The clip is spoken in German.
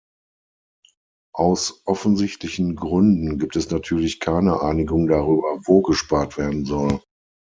Aus offensichtlichen Gründen gibt es natürlich keine Einigung darüber, wo gespart werden soll.